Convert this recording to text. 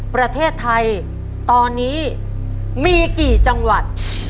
ประเทศไทยตอนนี้มีกี่จังหวัด